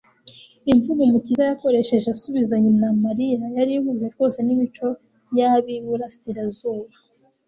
Imvugo Umukiza yakoresheje asubiza nyina Mariya yari ihuje rwose n'imico y'ab'iburasirazuba.